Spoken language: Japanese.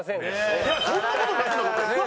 いやそんな事なくなかったですか？